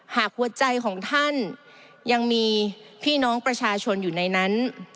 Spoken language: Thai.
หากหัวใจของท่านยังมีพี่น้องประชาชนอยู่ในนั้น